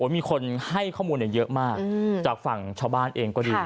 มีคนให้ข้อมูลเยอะมากจากฝั่งชาวบ้านเองก็ดี